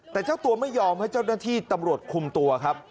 แต่เจ้าตัวไม่ยอมให้เจ้าหน้าที่ตำรวจคุมตัวครับ